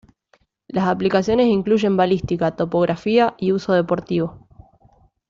Las aplicaciones incluyen balística, topografía y uso deportivo.